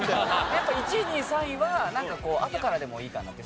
やっぱ１位２位３位はなんかこうあとからでもいいかなって。